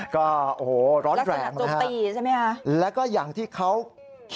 ก็โอ้โหร้อนแรงนะครับแล้วก็อย่างที่เขาลักษณะจุดปีใช่ไหมครับ